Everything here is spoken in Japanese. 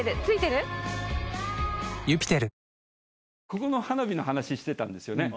ここの花火の話してたんですよね